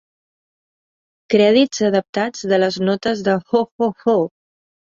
Crèdits adaptats de les notes de "Ho Ho Ho".